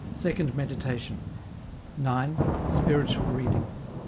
Second Meditation, q. Spiritual Reading.